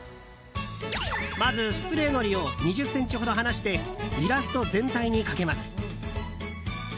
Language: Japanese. まず、スプレーのりを２０ｃｍほど離してイラスト全体にかけます。